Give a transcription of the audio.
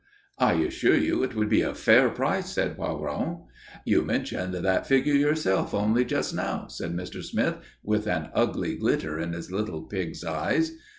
"I assure you it would be a fair price," said Poiron. "You mentioned that figure yourself only just now," said Mr. Smith, with an ugly glitter in his little pig's eyes.